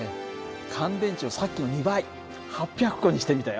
乾電池をさっきの２倍８００個にしてみたよ。